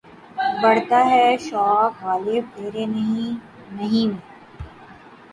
بڑھتا ہے شوق "غالب" تیرے نہیں نہیں میں.